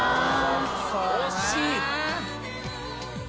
惜しい！